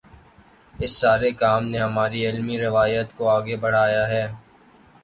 اس سارے کام نے ہماری علمی روایت کو آگے بڑھایا ہے۔